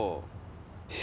え？